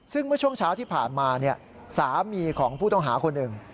ซึ่งเมื่อช่วงเช้าที่ผ่านมาสามีของผู้ต้องหาคนหนึ่ง